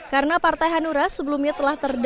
karena partai hanura sebelumnya telah terduduk